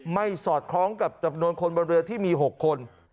สอดคล้องกับจำนวนคนบนเรือที่มี๖คน